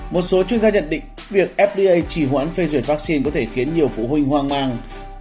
một số chuyên gia nhận định việc fda chỉ hoãn phê duyệt vaccine có thể khiến nhiều phụ huynh hoang mang